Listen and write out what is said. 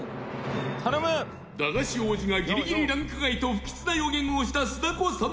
駄菓子王子がギリギリランク外と不吉な予言をした酢だこさん